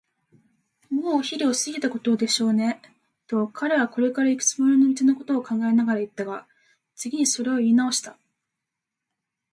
「もうお昼を過ぎたことでしょうね」と、彼はこれからいくつもりの道のことを考えながらいったが、次にそれをいいなおした。